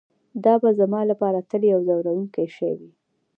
دا به زما لپاره تل یو ځورونکی شی وي